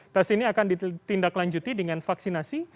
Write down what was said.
tes ini akan ditindaklanjuti dengan vaksinasi